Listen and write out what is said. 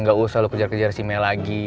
gak usah lo kejar kejar si mel lagi